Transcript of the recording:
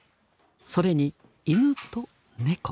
それに犬と猫。